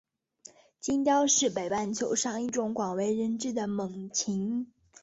金雕是北半球上一种广为人知的猛禽。